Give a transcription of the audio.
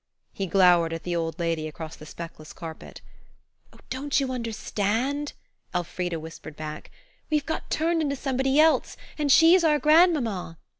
He glowered at the old lady across the speckless carpet. "Oh, don't you understand?" Elfrida whispered back. "We've got turned into somebody else, and she's our grandmamma."